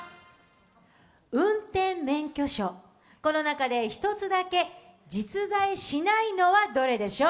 運転免許証、この中で１つだけ実在しないのはどれでしょう。